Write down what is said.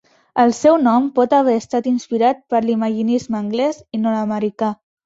El seu nom pot haver estat inspirat per l'imaginisme anglès i nord-americà.